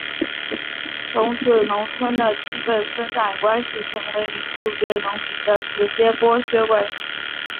从此农村的基本生产关系成为领主对农民的直接剥削关系。